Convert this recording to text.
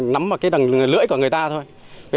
nắm vào cái lưỡi của người ta thôi